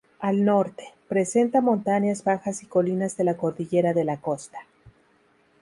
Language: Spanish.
Al Norte, presenta montañas bajas y colinas de la Cordillera de la costa.